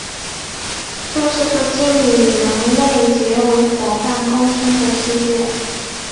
这是个精灵与人类结为夥伴共生的世界。